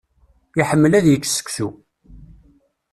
Iḥemmel ad yečč seksu.